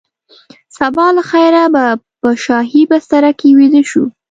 سبا له خیره به په شاهي بستره کې ویده شو.